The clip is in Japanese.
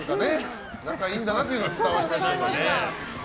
仲がいいんだなというのは伝わってきましたね。